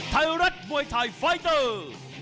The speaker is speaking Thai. ไทยรัฐมวยไทยไฟเตอร์